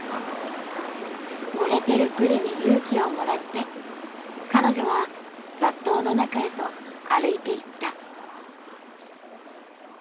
盛れてるプリに勇気をもらって彼女は雑踏の中へと歩いていった。